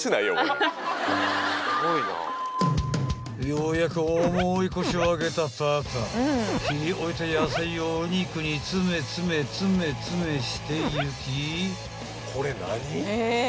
［ようやく重い腰を上げたパパ切り終えた野菜をお肉に詰め詰め詰め詰めしていき］